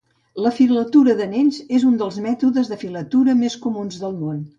La filatura d'anells és un dels mètodes de filatura més comuns del món.